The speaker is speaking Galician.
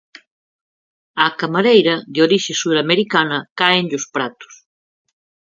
Á camareira, de orixe suramericana, cáenlle os pratos.